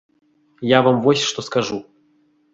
Я вам вось што скажу.